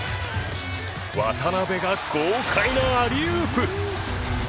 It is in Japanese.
渡邊が豪快なアリウープ！